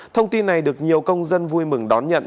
thông tin này được nhiều công dân vui mừng đón nhận